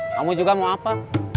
kamu juga mau apa